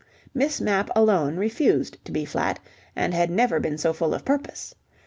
Miss Mapp alone refused to be flat, and had never been so full of purpose.